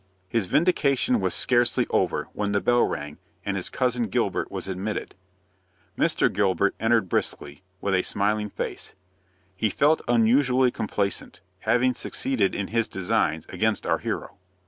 His vindication was scarcely over, when the bell rang, and his Cousin Gilbert was admitted. Mr. Gilbert entered briskly, and with a smiling face. He felt unusually complaisant, having succeeded in his designs against our hero.